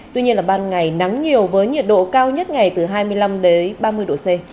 tuy nhiên là ban ngày nắng nhiều với nhiệt độ cao nhất ngày từ hai mươi năm ba mươi độ c